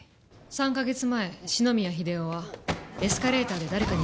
３カ月前四ノ宮英夫はエスカレーターで誰かに突き飛ばされた。